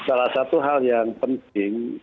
salah satu hal yang penting